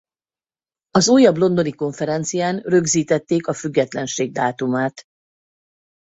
Az újabb londoni konferencián rögzítették a függetlenség dátumát.